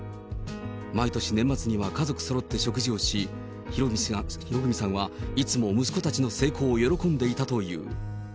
毎年年末には家族そろって食事をし、博文さんはいつも息子たちの成功を喜んでいたという。